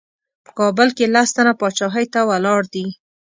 په کابل کې لس تنه پاچاهۍ ته ولاړ دي.